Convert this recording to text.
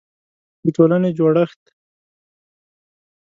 د ټولنې جوړښت